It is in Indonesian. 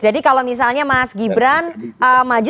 kalau misalnya mas gibran maju